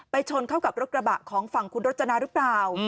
ชนเข้ากับรถกระบะของฝั่งคุณรจนาหรือเปล่า